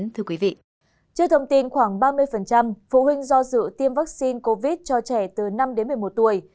trước thông tin khoảng ba mươi phụ huynh do dự tiêm vaccine covid cho trẻ từ năm một mươi một tuổi